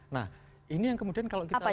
nah ini yang kemudian kalau kita lihat